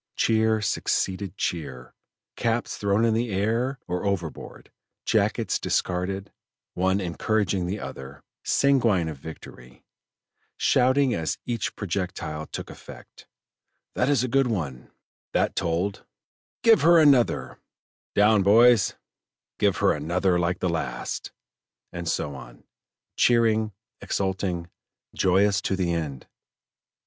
Cheer succeeded cheer, caps thrown in the air or overboard, jackets discarded, one encouraging the other, sanguine of victory, shouting as each projectile took effect: "That is a good one;" "that told;" "give her another;" "down boys;" "give her another like the last;" and so on, cheering, exulting, joyous to the end.